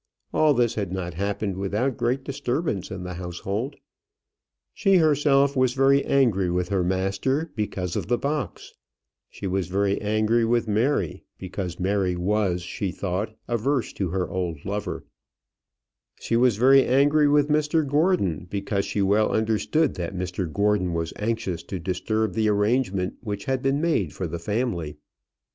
All this had not happened without great disturbance in the household. She herself was very angry with her master because of the box; she was very angry with Mary, because Mary was, she thought, averse to her old lover; she was very angry with Mr Gordon, because she well understood that Mr Gordon was anxious to disturb the arrangement which had been made for the family.